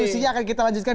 pastinya akan kita lanjutkan